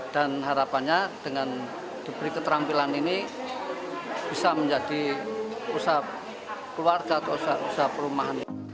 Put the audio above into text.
dan harapannya dengan diberi keterampilan ini bisa menjadi usaha keluarga atau usaha perumahan